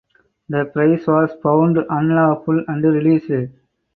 The prize was found unlawful and released.